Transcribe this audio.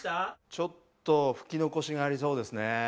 ちょっと拭き残しがありそうですね。